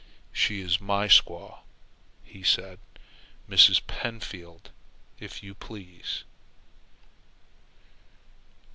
"She is my squaw," he said; "Mrs. Pentfield, if you please."